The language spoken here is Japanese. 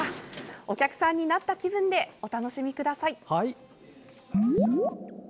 お客さんになった気分でお楽しみください。